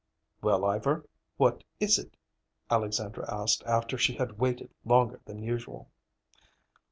"Well, Ivar, what is it?" Alexandra asked after she had waited longer than usual.